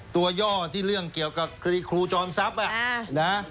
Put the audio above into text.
ย่อที่เรื่องเกี่ยวกับคดีครูจอมทรัพย์